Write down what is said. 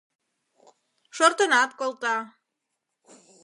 Шортынат колта.